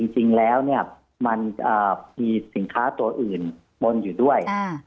จริงแล้วมันมีสินค้าตัวอื่นปนอยู่ด้วย